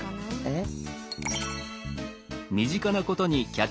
えっ？